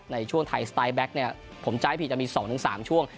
ในช่วงไทยสไตล์แบล็คผมจ่ายผิดจะมี๒๓ช่วง